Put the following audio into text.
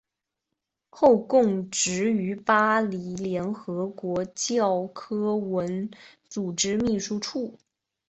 后供职于巴黎联合国教科文组织秘书处。